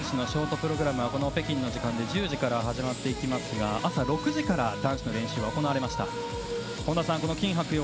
男子ショートプログラムは北京の時間で１０時から始まっていきますが朝６時から男子の練習は行われました。